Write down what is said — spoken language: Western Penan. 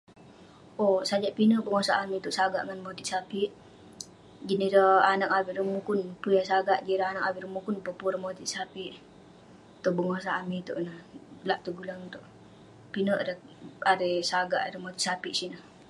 Owk, sajak pinek bengosak amik itouk sagak ngan motit sapik. Jin ireh anag avik ireh mukun pun yah sagak. Jin ireh anag avik ireh mukun peh pun ireh motit sapik. Tong bengosak amik itouk ineh, lak Tegulang itouk. Pinek ireh erei sagak, ireh motit sapik sineh.